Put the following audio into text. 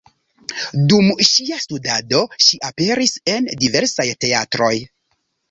Dum ŝia studado ŝi aperis en diversaj teatroj.